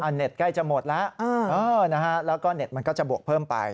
เน็ตใกล้จะหมดแล้วแล้วก็เน็ตมันก็จะบวกเพิ่มไป